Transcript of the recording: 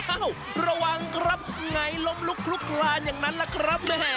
ระวังครับไงล้มลุกลุกคลานอย่างนั้นล่ะครับแม่